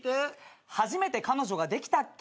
初めて彼女ができたっけ。